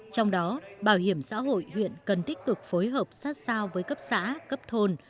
trong đó bảo hiểm xã hội huyện cần tích cực phối hợp sát sao với cấp xã cấp thôn